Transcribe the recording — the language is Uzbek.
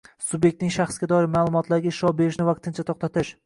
subyektning shaxsga doir ma’lumotlariga ishlov berishni vaqtincha to‘xtatish